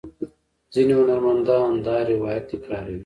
ځینې هنرمندان دا روایت تکراروي.